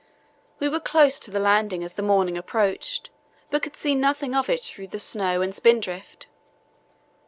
We were close to the land as the morning approached, but could see nothing of it through the snow and spindrift.